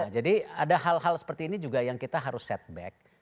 jadi ada hal hal seperti ini juga yang kita harus set back